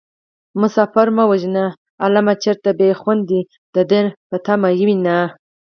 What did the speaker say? مسافر مه وژنئ عالمه چېرته به يې خويندې د دين په تمه وينه